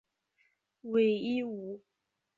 讳一武。